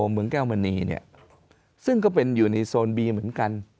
เมืองแก้วมณีเนี่ยซึ่งก็เป็นอยู่ในโซนบีเหมือนกัน